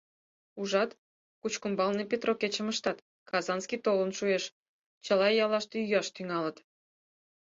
Ужат, Кучкумбалне петро кечым ыштат, казанский толын шуэш — чыла яллаште йӱаш тӱҥалыт.